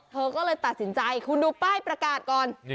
เธอก็เลยตัดสินใจคุณดูป้ายประกาศก่อน